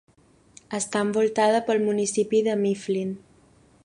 Està envoltada pel municipi de Mifflin.